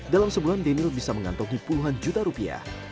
dalam sebulan daniel bisa mengantongi puluhan juta rupiah